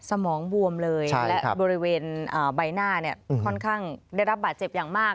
สมองบวมเลยและบริเวณใบหน้าเนี่ยค่อนข้างได้รับบาดเจ็บอย่างมาก